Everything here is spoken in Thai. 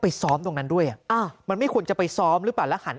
ซ้อมตรงนั้นด้วยอ่ะอ่ามันไม่ควรจะไปซ้อมหรือเปล่าแล้วหัน